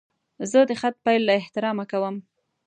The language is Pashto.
زه د خط پیل له احترامه کوم.